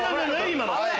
今の。